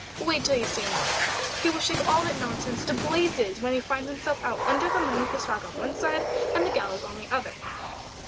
"Wait till you see him work. He will shake all that nonsense to blazes when he finds himself out under the moon with the swag on one side and the gallows on the other."